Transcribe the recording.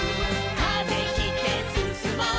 「風切ってすすもう」